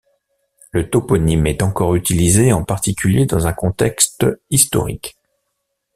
Le toponyme est encore utilisé, en particulier dans un contexte historique.